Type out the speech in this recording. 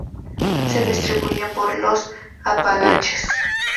Se distribuyen por los Apalaches.